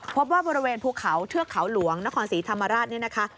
พบว่าบริเวณภูเขาเทือกเขาหลวงนครศรีธรรมราชเนี่ยนะคะ